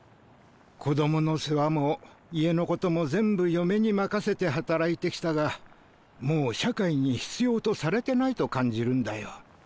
子供の世話も家のことも全部嫁に任せて働いてきたがもう社会に必要とされてないと感じるんだよ。